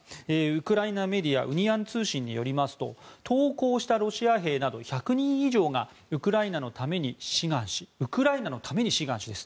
ウクライナメディアウニアン通信によりますと投降したロシア兵など１００人以上がウクライナのために志願しウクライナのためにです。